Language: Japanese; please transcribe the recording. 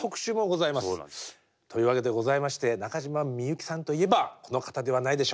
というわけでございまして中島みゆきさんといえばこの方ではないでしょうか。